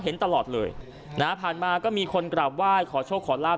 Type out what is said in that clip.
เห็นตลอดเลยนะฮะผ่านมาก็มีคนกราบไหว้ขอโชคขอลาบ